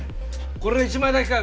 これ１枚だけかよ